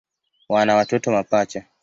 Wana watoto mapacha.